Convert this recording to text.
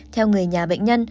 theo người nhà bệnh nhân